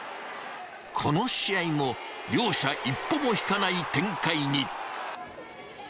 この試合も両者一歩も引かない展開に。